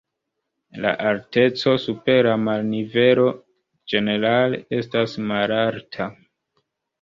La alteco super la marnivelo ĝenerale estas malalta.